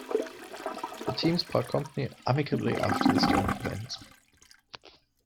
The teams part company amicably after this turn of events.